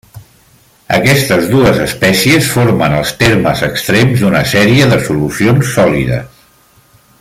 Aquestes dues espècies formen els termes extrems d'una sèrie de solucions sòlides.